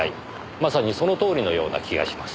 まさにそのとおりのような気がします。